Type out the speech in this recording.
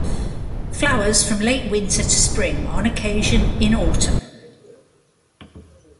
Flowers from late winter to spring on occasion in autumn.